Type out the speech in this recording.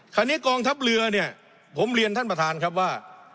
กองทัพเรือเนี่ยผมเรียนท่านประธานครับว่า